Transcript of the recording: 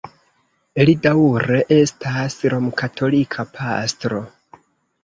Li daŭre estas romkatolika pastro.